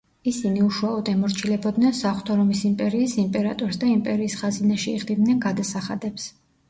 ისინი უშუალოდ ემორჩილებოდნენ საღვთო რომის იმპერიის იმპერატორს და იმპერიის ხაზინაში იხდიდნენ გადასახადებს.